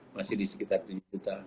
masih di sekitar tujuh juta